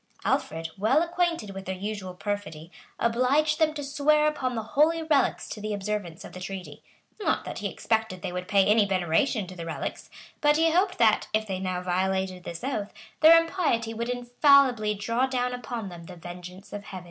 Alfred, well acquainted with their usual perfidy, obliged them to swear upon the holy relics to the observance of the treaty;[] not that he expected they would pay any veneration to the relics; but he hoped that, if they now violated this oath, their impiety would infallibly draw down upon them the vengeance of Heaven.